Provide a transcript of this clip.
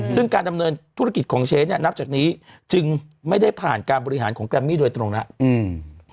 ซึ่งการดำเนินธุรกิจของเชฟเนี่ยนับจากนี้จึงไม่ได้ผ่านการบริหารของแกรมมี่โดยตรงแล้วอืม